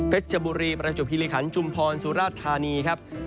ชบุรีประจบคิริขันจุมพรสุราชธานีครับ